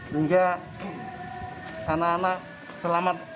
sehingga anak anak selamat